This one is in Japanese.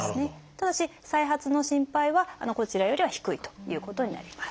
ただし再発の心配はこちらよりは低いということになります。